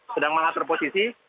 sedang mengatur posisi